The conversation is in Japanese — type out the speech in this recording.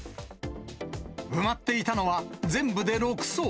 埋まっていたのは、全部で６層。